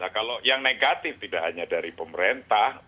kalau yang negatif tidak hanya dari pemerintah